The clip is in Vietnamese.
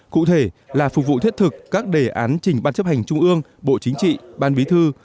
cụ thể là phục vụ thiết thực các đề án trình ban chấp hành trung ương bộ chính trị ban bí thư